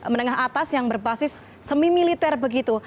menengah atas yang berbasis semimiliteran